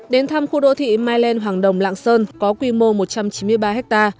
đến thăm khu đô thị mai lên hoàng đồng lạng sơn có quy mô một trăm chín mươi ba ha